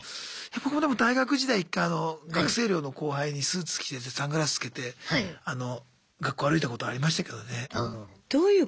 僕もでも大学時代１回あの学生寮の後輩にスーツ着せてサングラスつけて学校歩いたことありましたけどね。